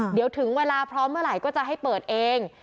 เดี๋ยวถึงเวลาพร้อมเมื่อไหร่ก็จะให้เปิดเอง